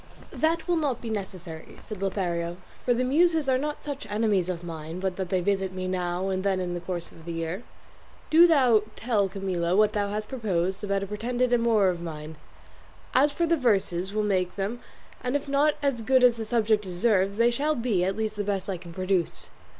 "That will not be necessary," said Lothario, "for the muses are not such enemies of mine but that they visit me now and then in the course of the year. Do thou tell Camilla what thou hast proposed about a pretended amour of mine; as for the verses will make them, and if not as good as the subject deserves, they shall be at least the best I can produce."